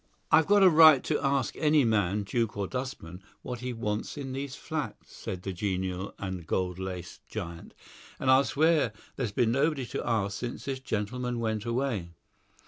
"I've got a right to ask any man, duke or dustman, what he wants in these flats," said the genial and gold laced giant, "and I'll swear there's been nobody to ask since this gentleman went away."